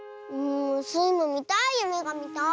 スイもみたいゆめがみたい！